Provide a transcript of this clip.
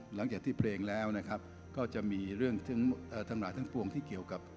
หลังจากที่เพลงแล้วนะครับก็จะมีเรื่องทั้งหลายทั้งปวงที่เกี่ยวกับ